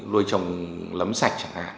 luôi trồng lấm sạch chẳng hạn